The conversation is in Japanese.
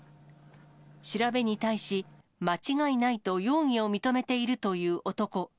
調べに対し、間違いないと容疑を認めているという男。